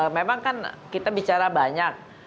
memang kan kita bicara banyak